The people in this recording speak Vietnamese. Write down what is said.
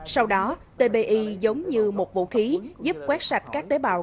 sau đó tbi giống như một vũ khí giúp quét sạch các tế bào